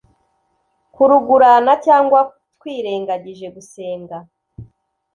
kurugurana cyangwa twirengagije gusenga,